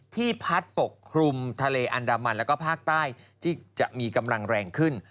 พัดปกคลุมทะเลอันดามันแล้วก็ภาคใต้ที่จะมีกำลังแรงขึ้น